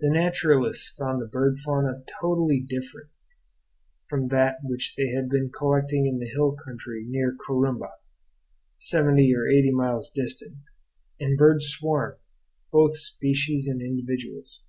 The naturalists found the bird fauna totally different from that which they had been collecting in the hill country near Corumba, seventy or eighty miles distant; and birds swarmed, both species and individuals.